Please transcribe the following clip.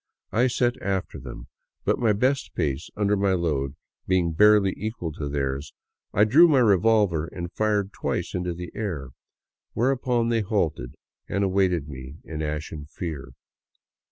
I set after them, but my best pace under my load being barely equal to theirs, I drew my revolver and fired twice into the air ; whereupon they halted and awaited me in ashen fear.